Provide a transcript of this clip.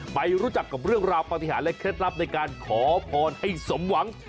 ไปรู้จักกับเรื่องราวปฏิหารและเคล็ดลับในการขอพรให้สมหวัง